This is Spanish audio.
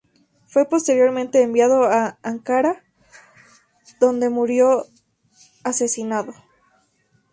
Fue posteriormente enviado hacia Ankara, donde murió asesinado.